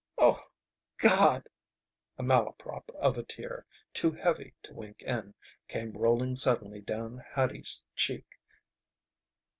"O God!" A malaprop of a tear, too heavy to wink in, came rolling suddenly down Hattie's cheek.